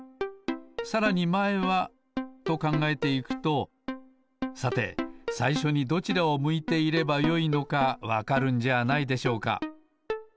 さらにまえはとかんがえていくとさてさいしょにどちらを向いていればよいのかわかるんじゃないでしょうか。